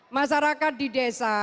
masyarakat di desa